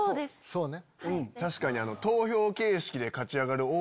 そうね。